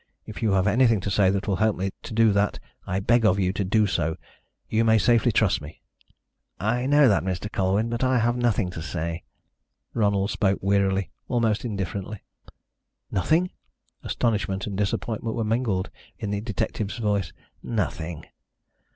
If you have anything to say that will help me to do that I beg of you to do so. You may safely trust me." "I know that, Mr. Colwyn, but I have nothing to say." Ronald spoke wearily almost indifferently. "Nothing?" Astonishment and disappointment were mingled in the detective's voice. "Nothing."